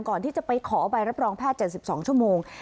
ก่อนที่จะไปขอใบรับรองแพทย์๗๒ชั่วโมง